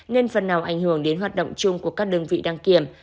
nên phần nào ảnh hưởng đến hoạt động chung của các đơn vị đăng kiểm